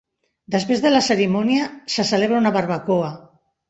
Després de la cerimònia se celebra una barbacoa.